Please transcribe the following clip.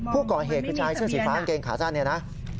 ผู้ก่อเหตุคือชายเสื้อสีฟ้ากางเกงขาสั้นเนี่ยนะ